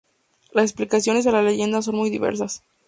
Las explicaciones a la leyenda son muy diversas.